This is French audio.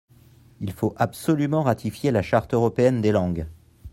Il faut absolument ratifier la Charte européenne des langues.